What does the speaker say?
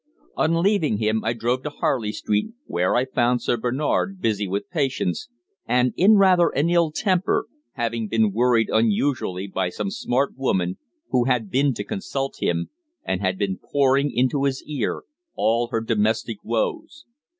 On leaving him I drove to Harley Street, where I found Sir Bernard busy with patients, and in rather an ill temper, having been worried unusually by some smart woman who had been to consult him and had been pouring into his ear all her domestic woes.